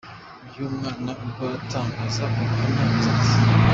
Uyu mwana ubwo yatangaga ubuhamya, yagize ati:.